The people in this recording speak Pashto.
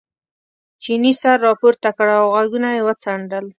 چیني سر را پورته کړ او غوږونه یې وڅنډل.